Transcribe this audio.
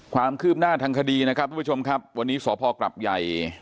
ความขืบหน้าทางคดีวันนี้สอบภาคกรับใหญ่